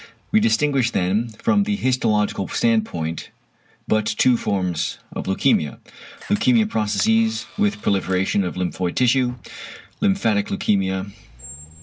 We distinguish then, from the histological standpoint, but two forms of leukæmia: 1. =leukæmic processes with proliferation of lymphoid tissue=: "~lymphatic leukæmia~"; 2.